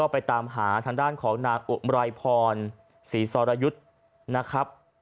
ไปตามหาทางด้านของนางอุไมร์พรศรีสอรยุทรนะฮะ